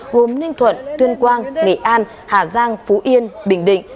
gồm ninh thuận tuyên quang nghệ an hà giang phú yên bình định